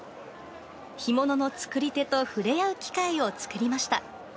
干物の作り手と触れ合う機会を作りました。